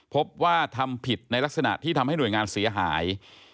พบว่าทำผิดในลักษณะที่ทำให้หน่วยงานเสียหาย